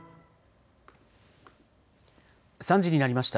３時になりました。